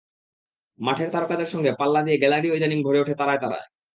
মাঠের তারকাদের সঙ্গে পাল্লা দিয়ে গ্যালারিও ইদানীং ভরে ওঠে তারায় তারায়।